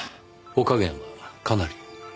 お加減はかなり？